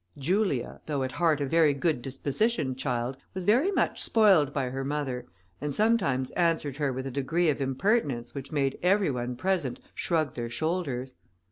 Julia, though at heart a very good dispositioned child, was very much spoiled by her mother, and sometimes answered her with a degree of impertinence which made every one present shrug their shoulders.